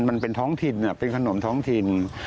มันเป็นท้องถิ่นเป็นขนมท้องถิ่น